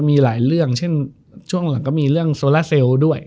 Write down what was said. มีหลายเรื่องเช่นช่วงหลังก็มีเรื่องโซล่าเซลล์ด้วย